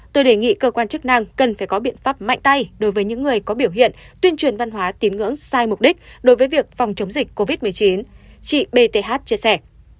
tôi đề nghị cơ quan chức năng cần phải có biện pháp mạnh tay đối với những người có biểu hiện tuyên truyền văn hóa tín ngưỡng sai mục đích đối với việc phòng chống dịch covid một mươi chín chị bth chia sẻ